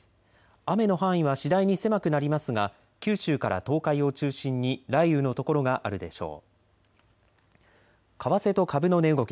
雨の範囲は次第に狭くなりますが九州から東海を中心に雷雨の所があるでしょう。